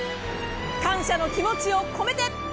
感謝の気持ちを込めて。